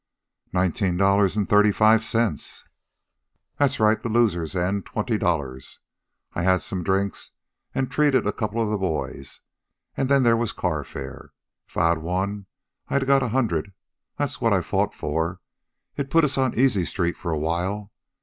"Nineteen dollars and thirty five cents." "That's right... the loser's end... twenty dollars. I had some drinks, an' treated a couple of the boys, an' then there was carfare. If I'd a won, I'd a got a hundred. That's what I fought for. It'd a put us on Easy street for a while.